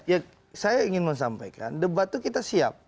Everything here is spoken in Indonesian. ya saya ingin menyampaikan debat itu kita siap